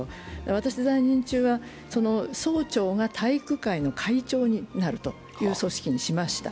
私の在任中は総長が体育会の会長になるという組織にしました。